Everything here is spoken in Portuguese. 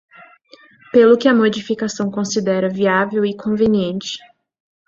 Pelo que a modificação considera viável e conveniente.